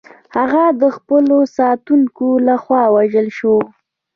هغه د خپلو ساتونکو لخوا ووژل شوه.